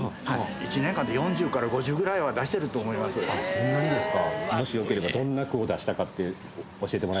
そんなにですか。